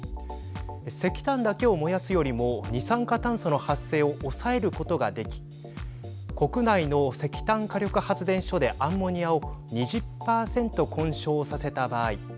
石炭だけを燃やすよりも二酸化炭素の発生を抑えることができ国内の石炭火力発電所でアンモニアを２０％混焼させた場合